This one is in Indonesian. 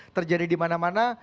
terjadi di mana mana